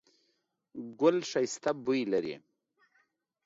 ګل ښایسته بوی لري